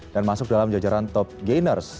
dan masuk dalam jajaran top gainers